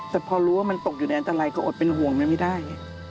แต่พอรู้ว่ามันตกอยู่ในอันตรายก็อดเป็นห่วงมันไม่ได้ไง